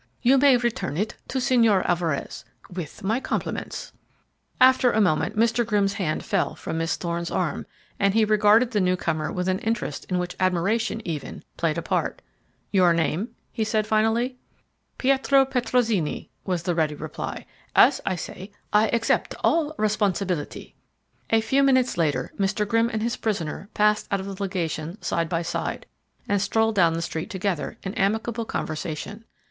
You may return it to Señor Alvarez with my compliments." After a moment Mr. Grimm's hand fell away from Miss Thorne's arm, and he regarded the new comer with an interest in which admiration, even, played a part. "Your name?" he asked finally. "Pietro Petrozinni," was the ready reply. "As I say, I accept all responsibility." A few minutes later Mr. Grimm and his prisoner passed out of the legation side by side, and strolled down the street together, in amicable conversation.